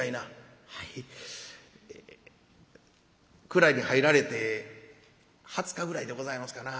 蔵に入られて二十日ぐらいでございますかな。